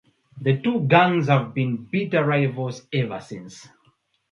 The two gangs have been bitter rivals ever since.